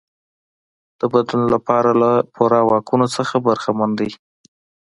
د بدلون لپاره له پوره واکونو څخه برخمن دی.